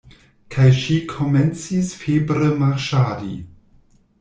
Kaj ŝi komencis febre marŝadi.